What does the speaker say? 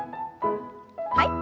はい。